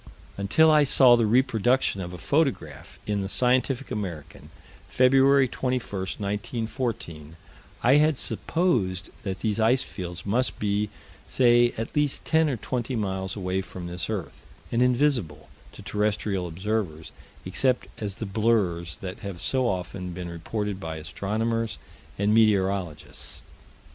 Until I saw the reproduction of a photograph in the Scientific American, Feb. 21, 1914, I had supposed that these ice fields must be, say, at least ten or twenty miles away from this earth, and invisible, to terrestrial observers, except as the blurs that have so often been reported by astronomers and meteorologists.